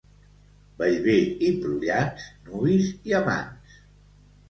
Bellver i Prullans, nuvis i amants.